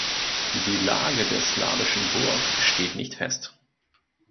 Die Lage der slawischen Burg steht nicht fest.